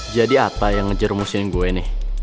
jadi ata yang ngejermusin gue nih